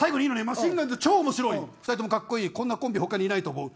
最後に、マシンガンズ超面白い２人ともかっこいいこんなコンビ他にいないと思う。